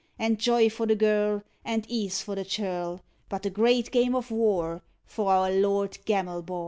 And joy for the girl, And ease for the churl! But the great game of war For our lord Gamelbar, Gamelbar!